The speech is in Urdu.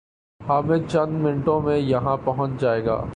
حامد چند منٹوں میں یہاں پہنچ جائے گا